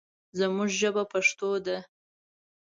زموږ ژبه پښتو ده.